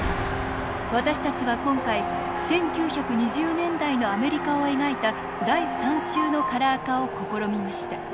私たちは今回１９２０年代のアメリカを描いた第３集のカラー化を試みました。